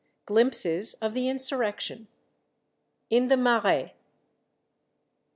GLIMPSES OF THE INSURRECTION. IN THE MARAIS.